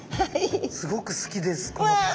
すごく好きですこの形。